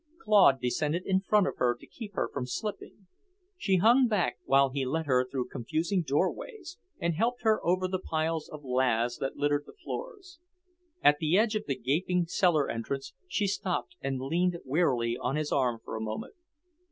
Claude descended in front of her to keep her from slipping. She hung back while he led her through confusing doorways and helped her over the piles of laths that littered the floors. At the edge of the gaping cellar entrance she stopped and leaned wearily on his arm for a moment.